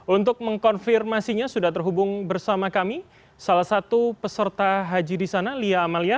untuk mengkonfirmasinya sudah terhubung bersama kami salah satu peserta haji di sana lia amalia